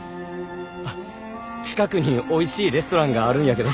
あっ近くにおいしいレストランがあるんやけど。